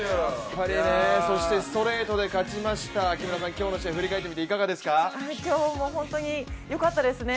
ストレートで勝ちました、今日の試合振り返っていかがでしたか？